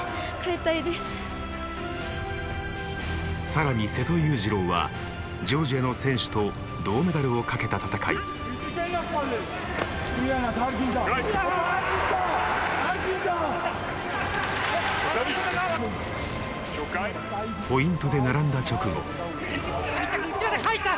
更に瀬戸勇次郎はジョージアの選手と銅メダルをかけたたたかいポイントで並んだ直後内股返した！